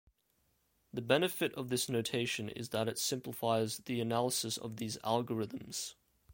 The benefit of this notation is that it simplifies the analysis of these algorithms.